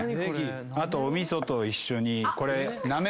あとお味噌と一緒に。